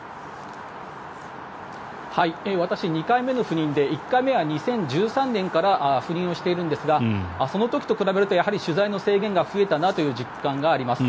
私、２回目の赴任で１回目は２０１３年から赴任をしているんですがその時と比べると取材の制限が増えたなという実感があります。